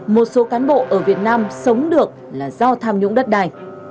một số cán bộ ở việt nam sống được là do tham nhũng đất đai